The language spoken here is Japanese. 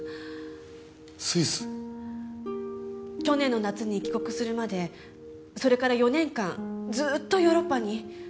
去年の夏に帰国するまでそれから４年間ずっとヨーロッパに。